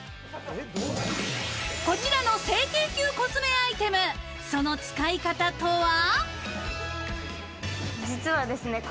こちらの整形級コスメアイテム、その使い方とは？